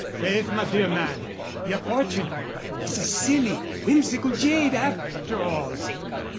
"Faith, my dear man, your fortune is a silly, whimsical jade, after all.